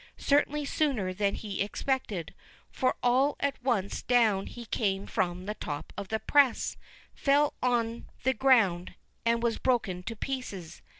Certainly sooner than he expected—for all at once down he came from the top of the press, fell on the ground, and was broken to pieces.